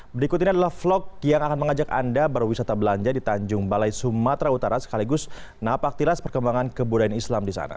berikut ini adalah vlog yang akan mengajak anda berwisata belanja di tanjung balai sumatera utara sekaligus napaktilas perkembangan kebudayaan islam di sana